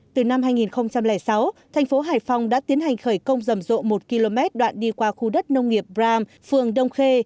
từ năm hai nghìn sáu thành phố hải phòng đã tiến hành khởi công rầm rộ một km đoạn đi qua khu đất nông nghiệp bram phường đông khê